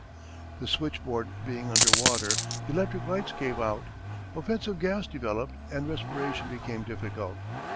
The switchboard being under water, the electric lights gave out. Offensive gas developed and respiration became difficult.